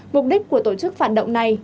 mục đích của tổ chức phản động này